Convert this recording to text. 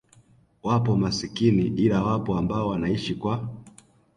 wapo masikini ila wapo ambao wanaishi kwa